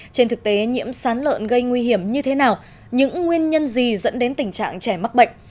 trên thực tế nhiễm sán lợn gây nguy hiểm như thế nào những nguyên nhân gì dẫn đến tình trạng trẻ mắc bệnh